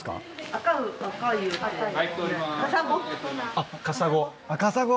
あっカサゴ。